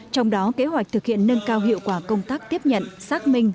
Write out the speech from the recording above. trong đó kế hoạch thực hiện nâng cao hiệu quả công tác tiếp nhận xác minh